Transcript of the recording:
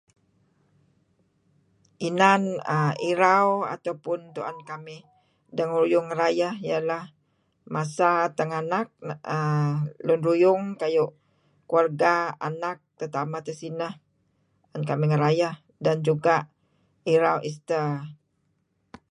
Inan err irau ataupun tu'en kamih dengeruyung ngerayeh ialah masa tenganak lun ruyung kayu' kelurga, anak, tetameh tesineh kamih ngerayeh, dan juga' irau Easter.